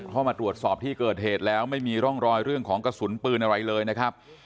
เข้ามาตรวจสอบที่เกิดเหตุแล้วไม่มีร่องรอยเรื่องของกระสุนปืนอะไรเลยนะครับ